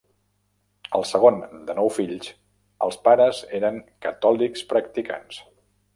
El segon de nou fills, els pares eren catòlics practicants.